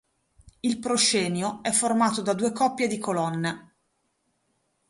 Il proscenio è formato da due coppie di colonne.